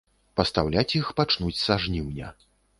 Пастаўляць іх пачнуць са жніўня.